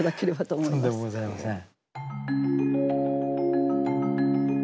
とんでもございません。